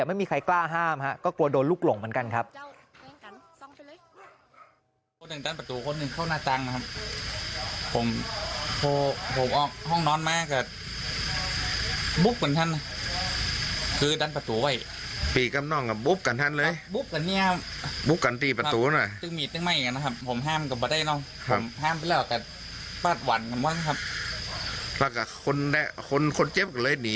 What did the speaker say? ไม่มีใครกล้าห้ามฮะก็กลัวโดนลูกหลงเหมือนกันครับ